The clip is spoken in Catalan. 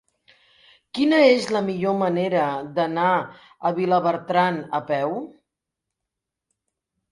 Quina és la millor manera d'anar a Vilabertran a peu?